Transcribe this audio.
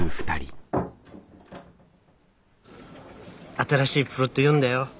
新しいプロット読んだよ。